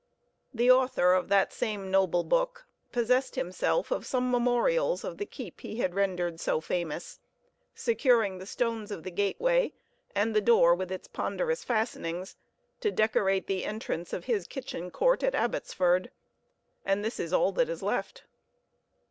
The author of that same "noble book" possessed himself of some memorials of the keep he had rendered so famous, securing the stones of the gateway, and the door with its ponderous fastenings to decorate the entrance of his kitchen court at Abbotsford. And this is all that is left.